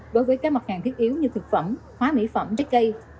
đối với các mặt hàng thiết yếu như thực phẩm hóa mỹ phẩm trái cây